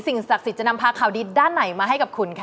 ศักดิ์สิทธิ์จะนำพาข่าวดีด้านไหนมาให้กับคุณคะ